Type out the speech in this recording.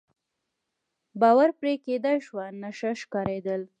باور پرې کېدای شو، نشه ښکارېدل.